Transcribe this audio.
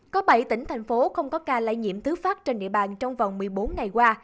có bảy tỉnh thành phố không có ca lây nhiễm thứ phát trên địa bàn trong vòng một mươi bốn ngày qua